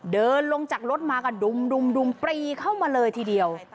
เดินลงจากรถมาก็ดุมปรีเข้ามาเลยทีเดียว